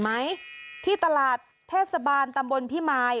ไหมที่ตลาดเทศบาลตำบลพิมาย